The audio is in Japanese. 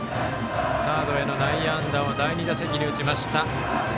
サードへの内野安打を第２打席で打ちました。